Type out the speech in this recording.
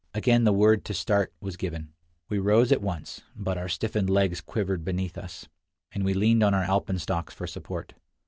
Again the word to start was given. We rose at once, but our stiffened legs quivered beneath us, and we leaned on our alpenstocks for support.